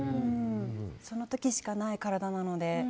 その時しかない体なので。